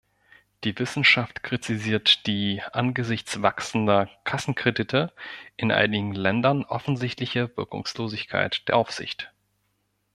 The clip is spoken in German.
Die Wissenschaft kritisiert die, angesichts wachsender Kassenkredite, in einigen Ländern offensichtliche Wirkungslosigkeit der Aufsicht.